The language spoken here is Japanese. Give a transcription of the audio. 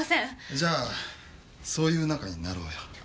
じゃあそういう仲になろうよ。